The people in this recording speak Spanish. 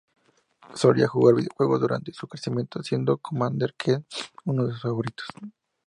Solía jugar videojuegos durante su crecimiento, siendo "Commander Keen" uno de sus favoritos.